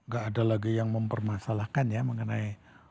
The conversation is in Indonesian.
gak ada lagi yang mempermasalahkan ya mengenai